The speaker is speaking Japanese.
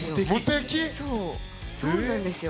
そうそうなんですよ